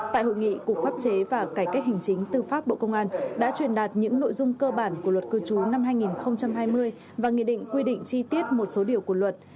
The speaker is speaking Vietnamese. tại hội nghị cục pháp chế và cải cách hành chính tư pháp bộ công an đã truyền đạt những nội dung cơ bản của luật cư trú năm hai nghìn hai mươi và nghị định quy định chi tiết một số điều của luật